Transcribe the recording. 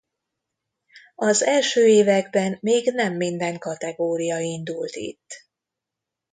Az első években még nem minden kategória indult itt.